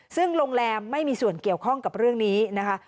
ซึ่งโรงแรมไม่มีส่วนเกี่ยวข้องกับเรื่องนี้นะคะ